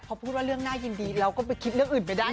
พอพูดว่าเรื่องน่ายินดีเราก็ไปคิดเรื่องอื่นไม่ได้